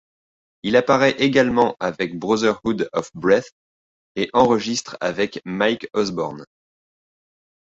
Il apparaît également avec Brotherhood of Breath et enregistre avec Mike Osborne.